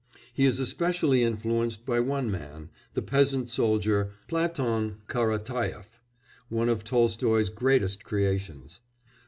He is especially influenced by one man the peasant soldier Platon Karatayef one of Tolstoy's greatest creations.